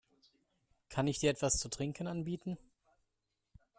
Kann ich dir etwas zu trinken anbieten?